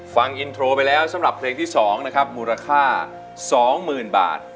ฟังอินโทรไปแล้วสำหรับเพลงที่๒นะครับมูลค่า๒๐๐๐บาท